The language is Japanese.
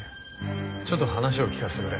ちょっと話を聞かせてくれ。